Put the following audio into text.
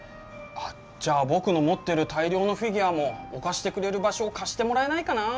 じゃあ僕の持ってる大量のフィギュアも置かしてくれる場所を貸してもらえないかな？